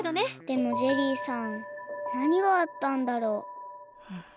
でもジェリーさんなにがあったんだろう？